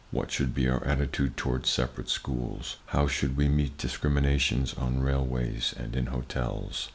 What should be our attitude toward separate schools? How should we meet discriminations on railways and in hotels?